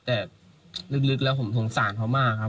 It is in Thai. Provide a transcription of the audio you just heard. แต่ลึกแล้วผมสงสารเขามากครับ